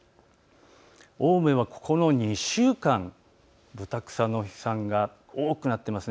青梅はこの２週間、ブタクサの飛散が多くなっています。